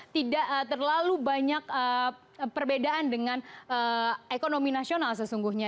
tidak terlalu banyak perbedaan dengan ekonomi nasional sesungguhnya